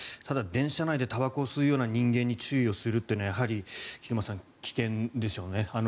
ただ、電車内でたばこを吸うような人間に注意をするっていうのは菊間さん、危険でしょうね。